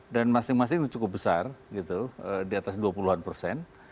dan masing masing itu cukup besar gitu di atas dua puluh an persen